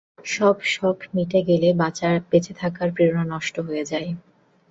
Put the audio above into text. সব শখ মিটে গেলে বেঁচে থাকার প্রেরণা নষ্ট হয়ে যায়।